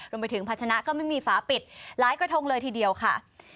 ลงไปถึงพัฒนาก็ไม่มีฝาปิดล้ายกระทงเลยทีเดียวค่ะ